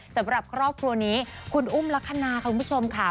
สำหรับครอบครัวนี้คุณอุ้มลักษณะคุณผู้ชมค่ะ